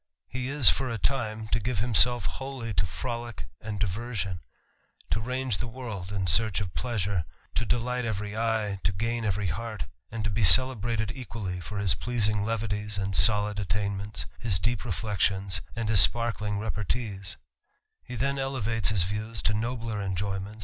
He is, for a time, to give himself wholl; to frolick and diversion, to range the world in search pleasure, to delight every eye, to gain every heart, and t be celebrated equally for his pleasing levities and soli attainments, his deep reflections and his sparkling He then elevates his views to nobler enjoyments, an.